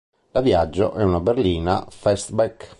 La Viaggio è una berlina "fastback".